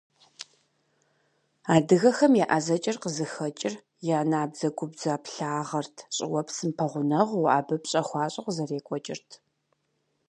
Адыгэхэм я ӏэзэкӏэр къызыхэкӏыр я набдзэгубдзаплъагъэрт, щӏыуэпсым пэгъунэгъуу, абы пщӏэ хуащӏу къызэрекӏуэкӏырт.